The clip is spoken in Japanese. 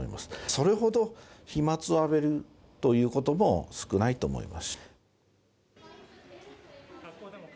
それほど飛まつを浴びるということも少ないと思います。